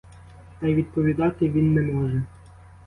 Та й відповідати він не може.